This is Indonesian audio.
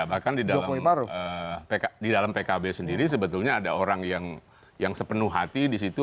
bahkan di dalam pkb sendiri sebetulnya ada orang yang sepenuh hati di situ